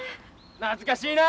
懐かしいな。